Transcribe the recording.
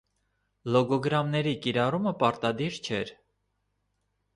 Լոգոգրամների կիրառությունը պարտադիր չէր։